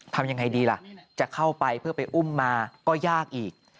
ทำยังไงดีล่ะจะเข้าไปเพื่อไปอุ้มมาก็ยากอีก